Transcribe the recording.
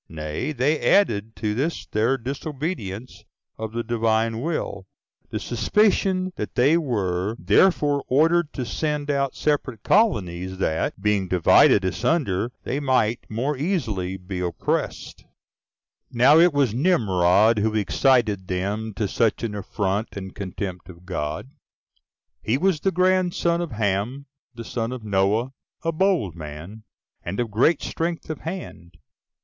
Nay, they added to this their disobedience to the Divine will, the suspicion that they were therefore ordered to send out separate colonies, that, being divided asunder, they might the more easily be Oppressed. 2. Now it was Nimrod who excited them to such an affront and contempt of God. He was the grandson of Ham, the son of Noah, a bold man, and of great strength of hand.